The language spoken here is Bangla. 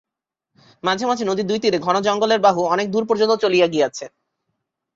মাঝে মঝে নদীর দুই তীরে ঘন জঙ্গলের বাহু অনেক দূর পর্যন্ত চলিয়া গিয়াছে।